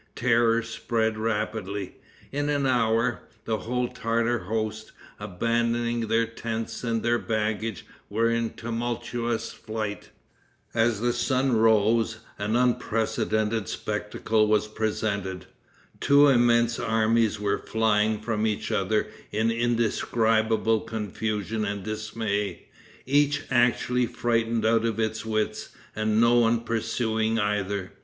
Terror spread rapidly. In an hour, the whole Tartar host, abandoning their tents and their baggage, were in tumultuous flight. As the sun rose, an unprecedented spectacle was presented. Two immense armies were flying from each other in indescribable confusion and dismay, each actually frightened out of its wits, and no one pursuing either.